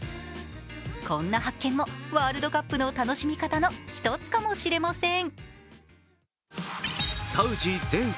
こんな発見もワールドカップの楽しみ方の一つかもしれません。